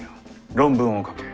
論文を書け。